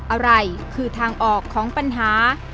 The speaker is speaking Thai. อะไรคือทางออกของปัญหา